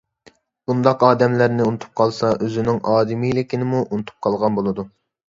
بۇنداق ئادەملەرنى ئۇنتۇپ قالسا ئۆزىنىڭ ئادىمىيلىكىنىمۇ ئۇنتۇپ قالغان بولىدۇ.